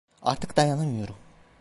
Artık dayanamıyorum.